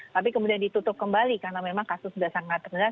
tapi kemudian ditutup kembali karena memang kasus sudah sangat rendah